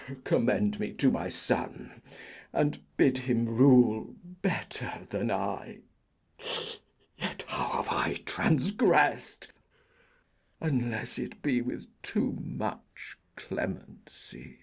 Commend me to my son, and bid him rule Better than I: yet how have I transgress'd, Unless it be with too much clemency?